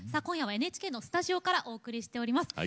今夜はＮＨＫのスタジオからお送りしております。